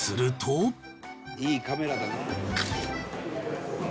「いいカメラだな」